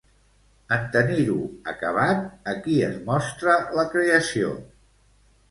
En tenir-ho acabat, a qui es mostra la creació?